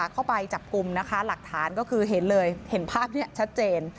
เข้าไปจับกลุ่มนะคะหลักฐานก็คือเห็นเลยเห็นภาพนี้ชัดเจน